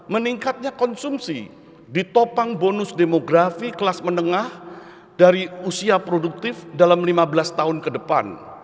meningkatnya konsumsi ditopang bonus demografi kelas menengah dari usia produktif dalam lima belas tahun ke depan